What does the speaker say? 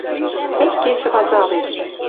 Тӹш кечӹ вазалеш